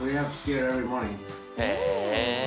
へえ。